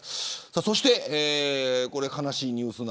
そして、こちら悲しいニュース。